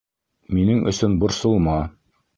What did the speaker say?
Минең өсөн борсолма.